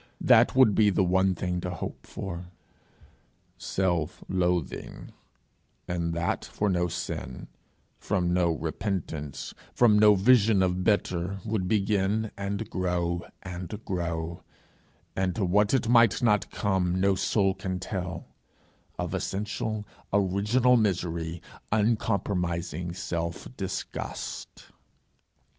that would be the one thing to hope for. Self loathing, and that for no sin, from no repentance, from no vision of better, would begin and grow and grow; and to what it might not come no soul can tell of essential, original misery, uncompromising self disgust!